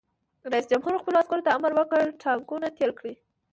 رئیس جمهور خپلو عسکرو ته امر وکړ؛ ټانکونه تېل کړئ!